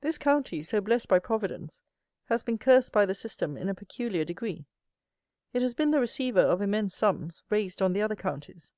This county, so blessed by Providence, has been cursed by the System in a peculiar degree. It has been the receiver of immense sums, raised on the other counties.